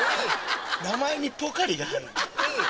名前にポカリが入るええ